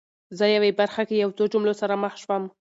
زه یوې برخه کې یو څو جملو سره مخ شوم